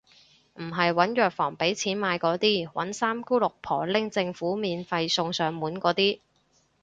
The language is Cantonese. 唔係搵藥房畀錢買嗰啲，搵三姑六婆拎政府免費送上門嗰啲